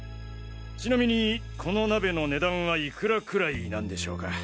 ちなみにこの鍋の値段はいくらくらいなんでしょうか？